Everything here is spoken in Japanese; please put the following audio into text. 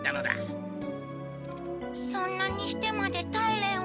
そんなにしてまでたんれんを。